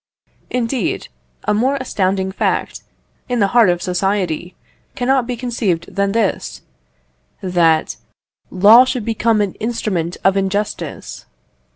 Indeed, a more astounding fact, in the heart of society, cannot be conceived than this: That law should have become an instrument of injustice.